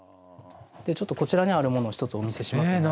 ちょっとこちらにあるものを一つお見せしますね。